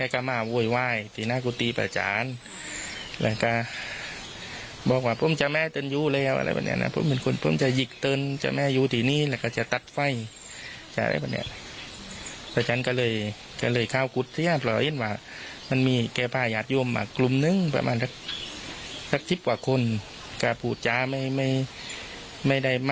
ก็พูดจะไม่ได้มากเผื่อพูดคุยแห่งเหตุและภูมิ